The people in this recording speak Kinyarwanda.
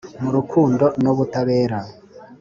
mu rukundo n’ubutabera